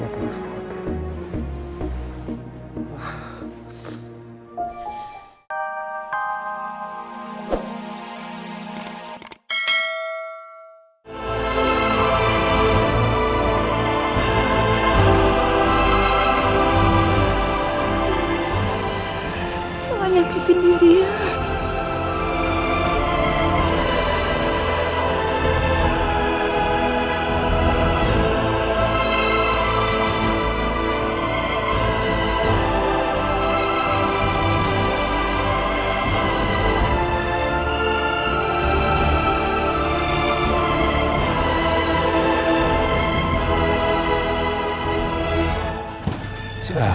banyak yang ketendirian